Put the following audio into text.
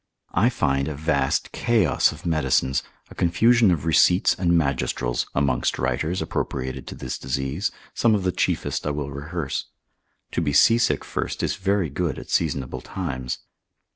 I find a vast chaos of medicines, a confusion of receipts and magistrals, amongst writers, appropriated to this disease; some of the chiefest I will rehearse. To be seasick first is very good at seasonable times.